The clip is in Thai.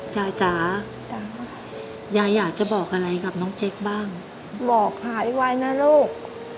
จ๋ายายอยากจะบอกอะไรกับน้องเจ๊กบ้างบอกหายไวนะลูก